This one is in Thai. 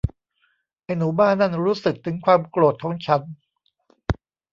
ไอ้หนูบ้านั่นรู้สึกถึงความโกรธของฉัน